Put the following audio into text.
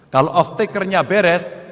kalau off takernya beres